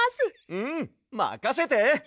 うんまかせて！